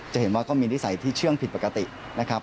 จะเห็นว่าก็มีนิสัยที่เชื่องผิดปกตินะครับ